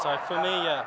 jadi untuk saya ya